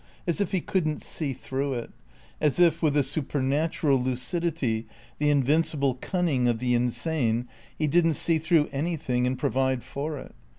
As if he couldn't see through it. As if, with the supernatural lucidity, the invincible cunning of the insane, he didn't see through anything and provide for it.